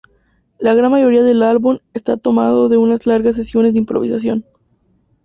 La gran mayoría del álbum está tomado de unas largas sesiones de improvisación.